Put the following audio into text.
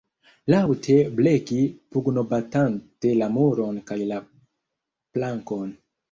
Laŭte bleki pugnobatante la muron kaj la plankon.